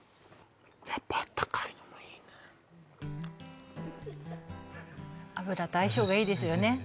やっぱ温かいのもいいね油と相性がいいですよね